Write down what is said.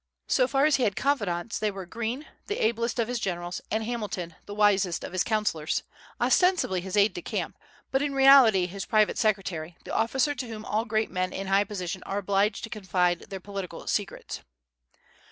So far as he had confidants, they were Greene, the ablest of his generals, and Hamilton, the wisest of his counsellors, ostensibly his aide de camp, but in reality his private secretary, the officer to whom all great men in high position are obliged to confide their political secrets.